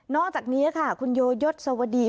อกจากนี้ค่ะคุณโยยศวดี